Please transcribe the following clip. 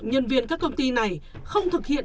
nhân viên các công ty này không thực hiện